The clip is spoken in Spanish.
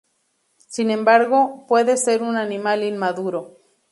Sin embargo, puede ser un animal inmaduro.